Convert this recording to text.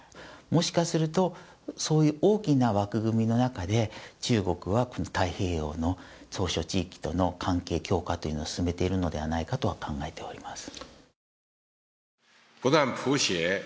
もしかすると、そういう大きな枠組みの中で、中国は太平洋の島しょ地域との関係強化というのを進めているのではないかと考えております。